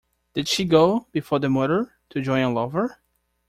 Did she go, before the murder, to join a lover?